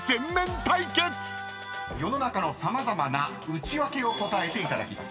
［世の中の様々なウチワケを答えていただきます］